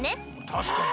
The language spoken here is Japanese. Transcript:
たしかに。